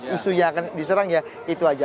isunya akan diserang ya itu aja